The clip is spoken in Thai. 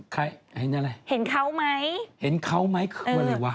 ใครเห็นอะไรเห็นเขาไหมเห็นเขาไหมคืออะไรวะ